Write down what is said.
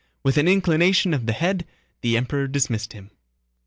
With an inclination of the head the Emperor dismissed him.